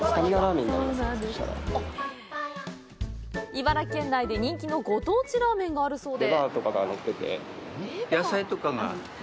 茨城県内で人気のご当地ラーメンがあるそうで。